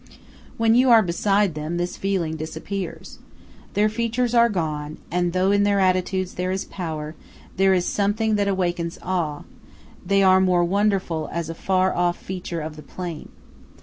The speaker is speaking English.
When you are beside them, this feeling disappears. Their features are gone, and though in their attitudes there is power, and there is something that awakens awe, they are more wonderful as a far off feature of the plain.